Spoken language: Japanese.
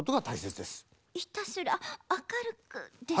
「ひたすらあかるく」ですか？